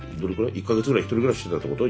１か月ぐらい１人暮らししてたってこと？